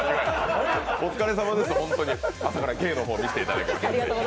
お疲れさまです、本当に朝から芸を見せていただいて。